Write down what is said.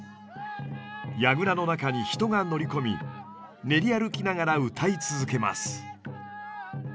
櫓の中に人が乗り込み練り歩きながら唄い続けます。